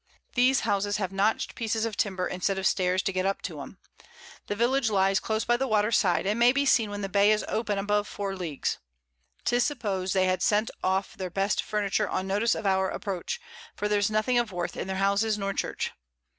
These Houses have notch'd Pieces of Timber instead of Stairs to get up to 'em. The Village lies close by the Water side, and may be seen when the Bay is open above 4 Leagues. 'Tis suppos'd they had sent off their best Furniture on notice of our Approach, for there was nothing of Worth in their Houses nor Church.